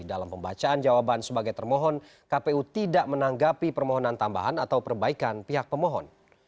dalam pembacaan jawaban sebagai termohon kpu tidak menanggapi permohonan tambahan atau perbaikan pihak pemohon